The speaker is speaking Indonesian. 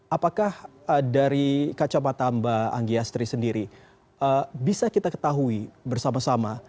apakah dari kacamata mbak anggiastri sendiri bisa kita ketahui bersama sama